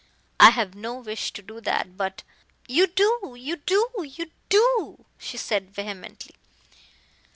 "I have no wish to do that, but " "You do you do you do!" she said, vehemently.